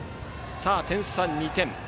点差、２点。